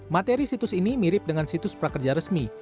materi situs ini mirip dengan situs prakerja resmi